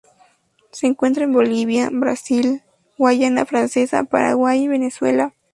Se encuentra en Bolivia, Brasil, Guayana Francesa, Paraguay y Venezuela.